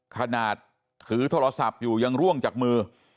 ขนาดถือโทรศัพท์อยู่ยังร่วงจากมือ